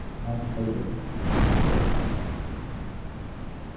মাফ করবে, সাতোরু।